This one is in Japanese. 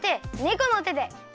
このてで。